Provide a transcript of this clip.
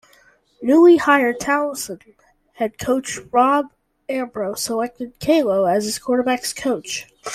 Newly hired Towson head coach Rob Ambrose selected Kaleo as his quarterbacks coach.